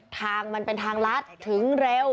ทางมันเป็นทางลัดถึงเร็ว